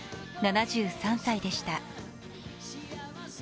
７３歳でした。